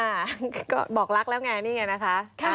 ก็บอกรักแล้วไงนี่ไงนะคะ